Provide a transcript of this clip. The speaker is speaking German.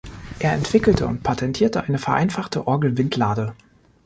Er entwickelte und patentierte eine vereinfachte Orgel-Windlade.